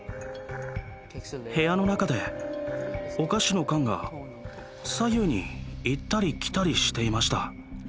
部屋の中でお菓子の缶が左右に行ったり来たりしていました。